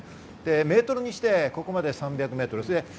メートルにしてここまで３００メートル。